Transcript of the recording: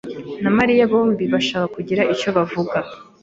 na Mariya bombi bashaka kugira icyo bavuga.